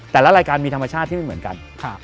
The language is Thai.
แต่ละรายการมีธรรมชาติที่ไม่เหมือนกัน